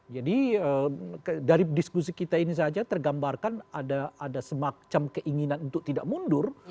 jadi dari diskusi kita ini saja tergambarkan ada semacam keinginan untuk tidak mundur